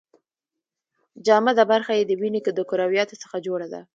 جامده برخه یې د وینې د کرویاتو څخه جوړه ده.